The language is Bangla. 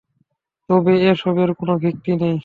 তবে এ-সবের কোনো ভিত্তি নেই।